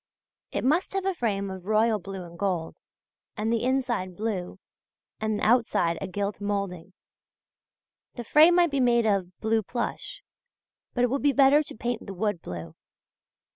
It must have a frame of royal blue and gold, the inside blue and outside a gilt moulding. The frame might be made of blue plush; but it would be better to paint the wood blue....